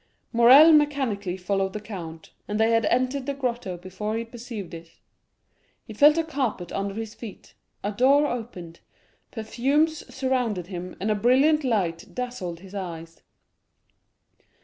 Morrel mechanically followed the count, and they had entered the grotto before he perceived it. He felt a carpet under his feet, a door opened, perfumes surrounded him, and a brilliant light dazzled his eyes.